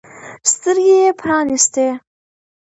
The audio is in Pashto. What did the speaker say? سترګې يې پرانیستې.